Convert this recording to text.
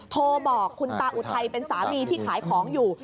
โทรบอกคุณตาอุทัยเป็นสามีที่ขายของอยู่